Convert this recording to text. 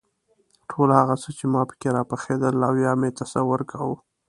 ټول هغه څه چې په ما کې راپخېدل او یا مې تصور کاوه.